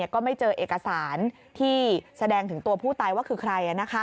ก็ไม่เจอเอกสารที่แสดงถึงตัวผู้ตายว่าคือใคร